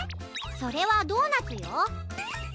それはドーナツよ。